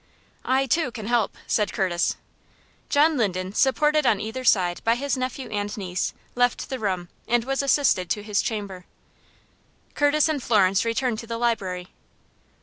"I, too, can help," said Curtis. John Linden, supported on either side by his nephew and niece, left the room, and was assisted to his chamber. Curtis and Florence returned to the library.